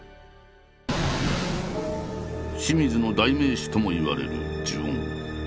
清水の代名詞ともいわれる「呪怨」。